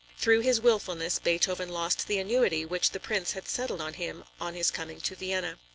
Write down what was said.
Through his wilfulness, Beethoven lost the annuity which the Prince had settled on him on his coming to Vienna.